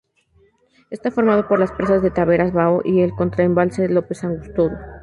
Está formado por las presas de Taveras, Bao y el contra embalse López Angostura.